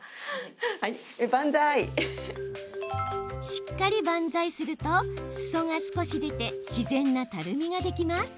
しっかり万歳すると裾が少し出て自然なたるみができます。